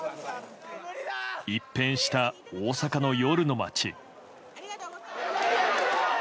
一変した大阪の夜の街。